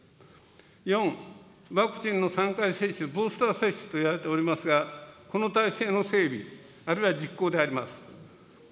４、ワクチンの３回接種、ブースター接種といわれておりますが、この体制の整備、あるいは実行であります。